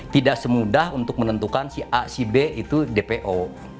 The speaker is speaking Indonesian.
tidak semudah untuk menentukan si a si b itu dpo